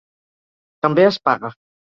També es paga.